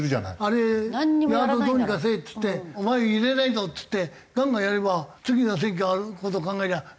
あれヤードどうにかせえっつってお前入れないぞっつってガンガンやれば次の選挙ある事考えりゃ動くと思うけどな。